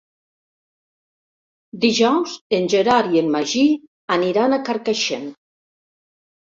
Dijous en Gerard i en Magí aniran a Carcaixent.